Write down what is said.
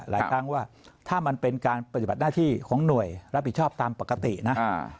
หลายครั้งว่าถ้ามันเป็นการปฏิบัติหน้าที่ของหน่วยรับผิดชอบตามปกตินะ